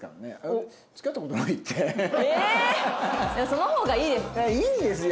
その方がいいです。